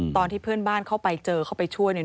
ตอนที่เพื่อนบ้านเข้าไปเจอเข้าไปช่วยเนี่ย